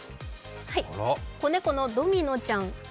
子猫のドミノちゃん。